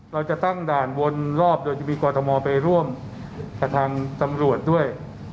เราจะตั้งด่านวนรอบโดยจะมีกรทมไปร่วมกับทางตำรวจด้วย